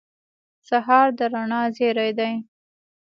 سهار د رڼا زېری دی.